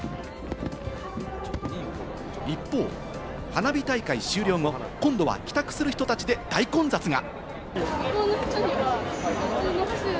一方、花火大会終了後、今度は帰宅する人たちで、大混雑が。